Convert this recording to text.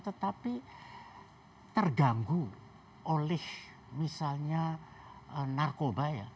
tetapi terganggu oleh misalnya narkoba ya